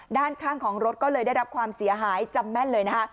ด้านข้างของรถก็เลยได้รับความเสียหายจำแม่นเลยนะคะ